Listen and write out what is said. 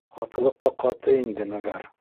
Ҡатылыҡҡа ҡаты инде мәгәр.